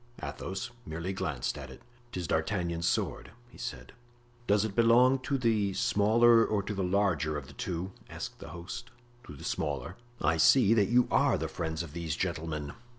Athos merely glanced at it. "'Tis D'Artagnan's sword," he said. "Does it belong to the smaller or to the larger of the two?" asked the host. "To the smaller." "I see that you are the friends of these gentlemen."